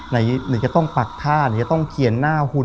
หรือจะต้องปักท่าหรือจะต้องเขียนหน้าหุ่น